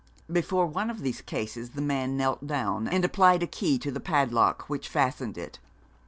Before one of these cases the man knelt down, and applied a key to the padlock which fastened it.